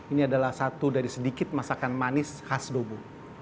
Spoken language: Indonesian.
ini adalah satu dari sedikit masakan manis khas dobo